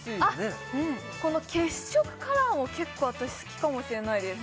この血色カラーも結構私好きかもしれないです